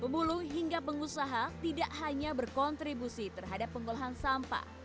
pemulung hingga pengusaha tidak hanya berkontribusi terhadap pengolahan sampah